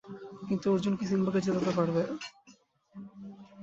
কিন্তু অর্জুন কি সিম্বাকে জেতাতে পারবে?